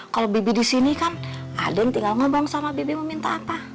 kalau bebi di sini kan aden tinggal ngomong sama bebi meminta apa